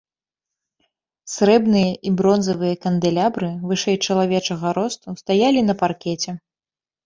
Срэбныя і бронзавыя кандэлябры вышэй чалавечага росту стаялі на паркеце.